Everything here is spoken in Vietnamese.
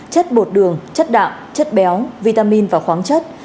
chất bột đường chất đạm chất béo vitamin và khoáng chất